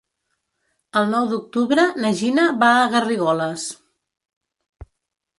El nou d'octubre na Gina va a Garrigoles.